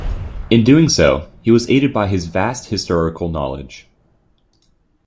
In doing so, he was aided by his vast historical knowledge.